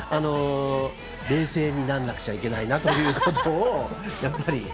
冷静になんなくちゃいけないなということをやっぱり。